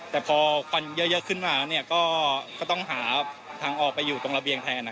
แต่พอมีกว้างเยอะกลายขึ้นมาก็ต้องหาทางออกไปอยู่ที่ระเบียงแทน